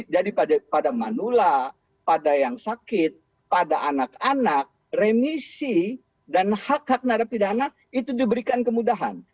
jadi pada manula pada yang sakit pada anak anak remisi dan hak hak narapidana itu diberikan kemudahan